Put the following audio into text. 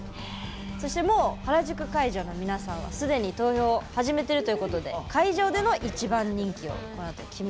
そしてもう原宿会場の皆さんは既に投票を始めてるということで会場での一番人気を決めます。